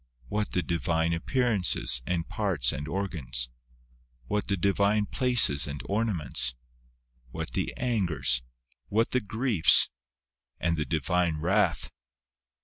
what the Divine appearances, and parts and organs ? what the Divine places and ornaments ? what the angers ? what the griefs ? and the Divine wrath